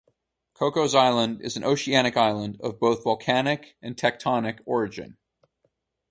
Cocos Island is an oceanic island of both volcanic and tectonic origin.